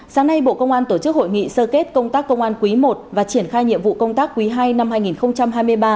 sáng nay bộ công an tổ chức hội nghị sơ kết công tác công an quý i và triển khai nhiệm vụ công tác quý ii năm hai nghìn hai mươi ba